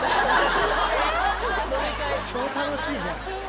超楽しいじゃん。